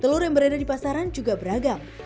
telur yang berada di pasaran juga beragam